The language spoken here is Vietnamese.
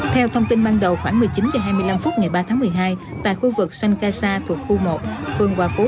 theo thông tin ban đầu khoảng một mươi chín h hai mươi năm phút ngày ba tháng một mươi hai tại khu vực sanh ca sa thuộc khu một phường hòa phú